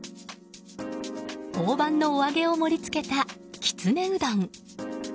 大判のお揚げを盛り付けたきつねうどん。